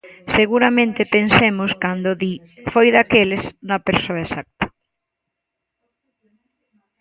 Seguramente pensemos cando di 'foi daqueles' na persoa exacta.